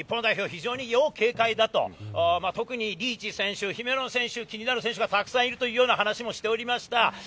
非常に要警戒だと、特にリーチ選手、姫野選手、気になる選手がたくさんいるという話をしておりました。